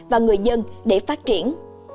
và người dân để phát triển